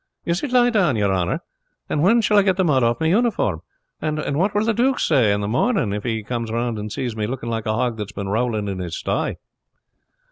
"Is it lie down, your honor? And when shall I get the mud off my uniform? and what will the duke say in the morning if he comes round and sees me look like a hog that has been rowling in his sty?"